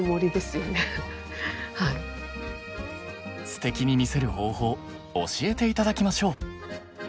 ステキに見せる方法教えて頂きましょう。